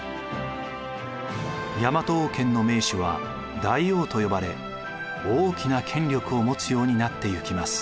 大和王権の盟主は大王と呼ばれ大きな権力を持つようになっていきます。